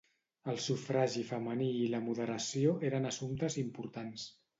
El sufragi femení i la moderació eren assumptes importants.